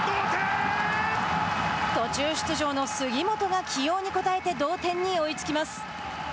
途中出場の杉本が起用に応えて同点に追いつきます。